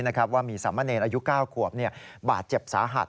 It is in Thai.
ว่ามีสามเณรอายุ๙ขวบบาดเจ็บสาหัส